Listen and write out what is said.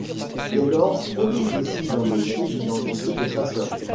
Dès lors, Pauline décide d'endosser l'identité de sa sœur.